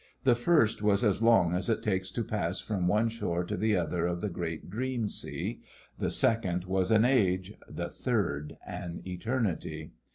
The first was as long as it takes to pass from one shore to the other of the great dream sea; the second was an age; the third an eternity.